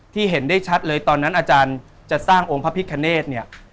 อ๋อที่เห็นได้ชัดเลยตอนนั้นอาจารย์จะสร้างองค์พระภิกขณฑ์เนี่ย